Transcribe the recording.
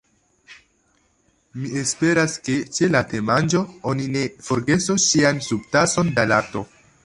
Mi esperas ke ĉe la temanĝo oni ne forgesos ŝian subtason da lakto.